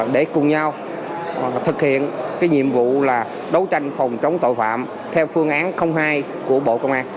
để cùng nhau thực hiện cái nhiệm vụ là đấu tranh phòng chống tội phạm theo phương án hai của bộ công an